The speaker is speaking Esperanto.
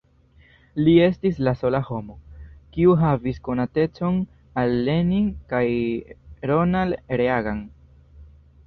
Li estis la sola homo, kiu havis konatecon al Lenin kaj Ronald Reagan.